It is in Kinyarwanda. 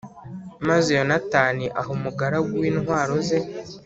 Maze Yonatani aha umugaragu we intwaro ze